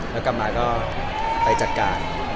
แล้วกลับมาก็ไปจัดการ